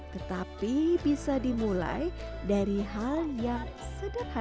tetapi bisa dimulai dari hal yang sederhana